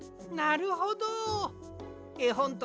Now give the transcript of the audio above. なるほど。